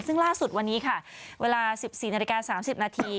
ซึ่งล่าสุดวันนี้ค่ะเวลา๑๔นาฬิกา๓๐นาที